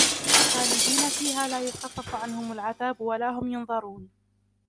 خالدين فيها لا يخفف عنهم العذاب ولا هم ينظرون